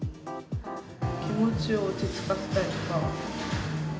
気持ちを落ち着かせたいとか。